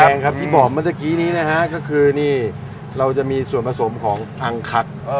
ยังครับที่บอกเมื่อตะกี้นี้นะฮะก็คือนี่เราจะมีส่วนผสมของอังคัก